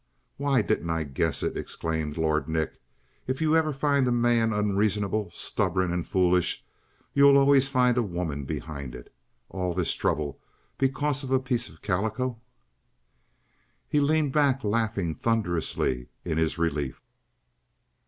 "Why didn't I guess it?" exclaimed Lord Nick. "If ever you find a man unreasonable, stubborn and foolish, you'll always find a woman behind it! All this trouble because of a piece of calico?" He leaned back, laughing thunderously in his relief.